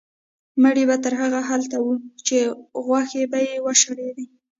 مړی به تر هغې هلته و چې غوښې به یې وشړېدې.